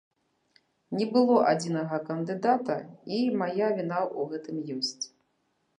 Не было адзінага кандыдата, і мая віна ў гэтым ёсць.